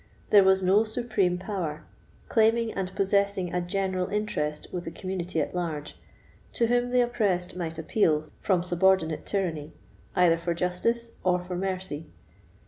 There was no supreme power, claiming and possessing a general interest with the community at large, to whom the oppressed might appeal from subordinate tyranny, either for justice or for mercy.